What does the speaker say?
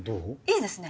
いいですね。